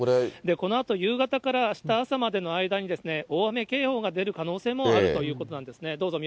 このあと、夕方からあした朝までの間に、大雨警報が出る可能性もあるということなんですね。